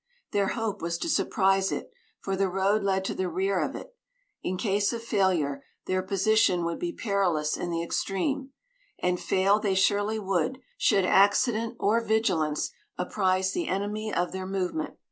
Their hope was to surprise it, for the road led to the rear of it. In case of failure, their position would be perilous in the extreme; and fail they surely would, should accident or vigilance apprise the enemy of the movement.